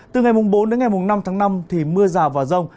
từ ngày mùng bốn đến ngày mùng năm tháng năm thì mưa rào và rông